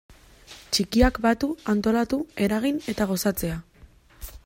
Txikiak batu, antolatu, eragin eta gozatzea.